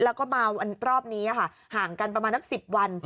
แล้วก็มารอบนี้ค่ะห่างกันประมาณนัก๑๐วัน